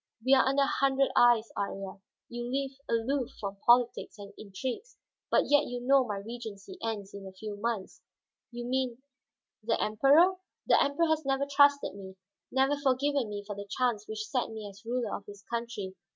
"We are under a hundred eyes, Iría. You live aloof from politics and intrigues, but yet you know my regency ends in a few months." "You mean the Emperor?" "The Emperor has never trusted me, never forgiven me for the chance which set me as ruler of his country.